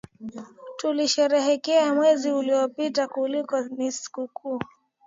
Tulisherehekea mwezi uliopita ilikuwa ni sikukuu